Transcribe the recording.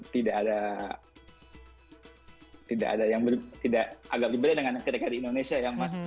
tidak ada yang berbeda agak berbeda dengan ketika di indonesia ya mas